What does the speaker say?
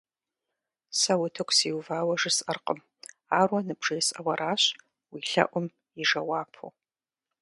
Сэ утыку сиувауэ жысӏэркъым, ар уэ ныбжесӏэу аращ, уи лъэӏум и жэуапу.